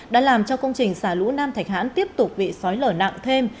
đã làm cho công trình xà lũ nam thạch hãn tiếp tục bị xói lở nặng thêm